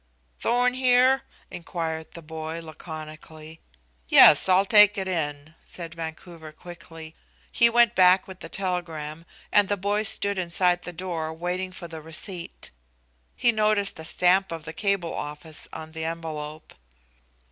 "Thorn here?" inquired the boy, laconically. "Yes, I'll take it in," said Vancouver quickly. He went back with the telegram, and the boy stood inside the door waiting for the receipt. He noticed the stamp of the Cable Office on the envelope.